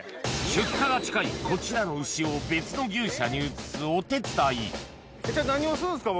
出荷が近いこちらの牛を別の牛舎に移すお手伝い何をするんすか？